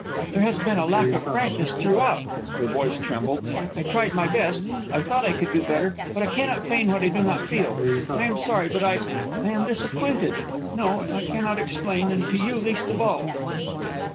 "There has been a lack of frankness throughout." Her voice trembled. "I tried my best, I thought I could do better, but I cannot feign what I do not feel. I am sorry, but I ... I am disappointed. No, I cannot explain, and to you least of all."